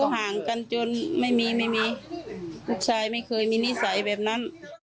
ห่างกันจนไม่มีไม่มีลูกชายไม่เคยมีนิสัยแบบนั้น